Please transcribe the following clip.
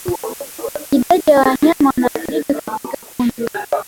Idadi ya wanyama wanaoathirika katika kundi